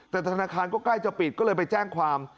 แต่ธนาคารก็ใกล้จะปิดก็เลยไปแจ้งความ